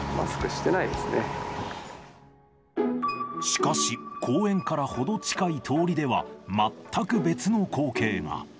しかし、公園から程近い通りでは、全く別の光景が。